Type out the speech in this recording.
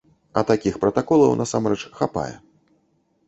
А такіх пратаколаў, насамрэч, хапае.